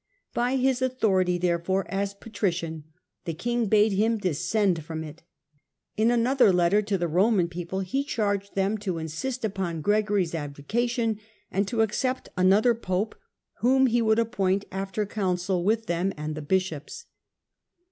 By his authority, therefore, as Patrician, the king bade him descend from it. In another letter to the Roman people he charged them to insist upon Gregory's abdica tion, and to accept another pope whom he would appoint after counsel with them and the bishops.